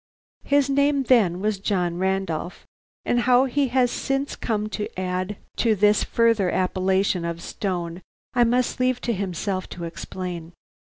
His name then was John Randolph, and how he has since come to add to this the further appellation of Stone, I must leave to himself to explain.